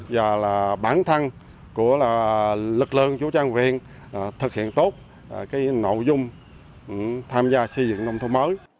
và bản thân của lực lượng vũ trang viên thực hiện tốt nội dung tham gia xây dựng nông thôn mới